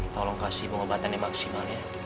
tolong kasih pengobatan yang maksimal ya